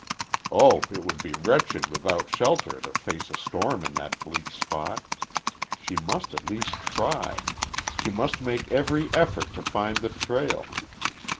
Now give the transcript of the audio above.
Oh, it would be wretched without shelter to face a storm in that bleak spot. She must at least try she must make every effort to find the trail.